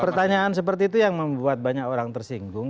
pertanyaan seperti itu yang membuat banyak orang tersinggung